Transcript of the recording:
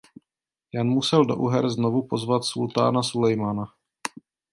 Jan musel do Uher znovu pozvat sultána Sulejmana.